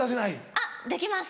あっできます。